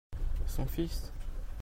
Son fils.